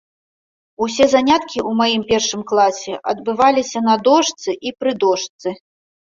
Усе заняткі ў маім першым класе адбываліся на дошцы і пры дошцы.